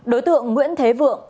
đối tượng nguyễn thế vượng